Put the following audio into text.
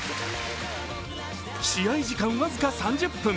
試合時間僅か３０分。